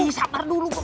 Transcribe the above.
ih sabar dulu kok